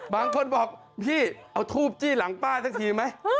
บางคนบอกพี่เอาทูบจี้หลังป้าสักทีไหม